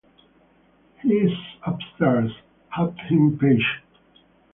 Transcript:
He's upstairs; have him paged.